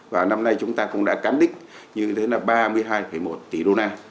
và năm nay chúng ta cũng đã khẳng định như thế là ba mươi hai một tỷ đô la